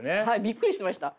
びっくりしてました。